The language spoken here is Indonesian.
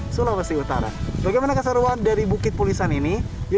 sulawesi utara bagaimana keseruan dari bukit pulisan ini di